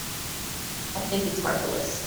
I think it's marvelous.